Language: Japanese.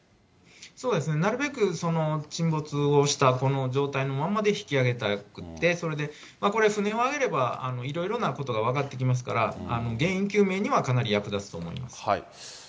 そうですね、なるべく沈没をしたこの状態のまんまで引き揚げたくて、それでこれ、船を揚げれば、いろいろなことが分かってきますから、原因究明にはかなり役立つと思います。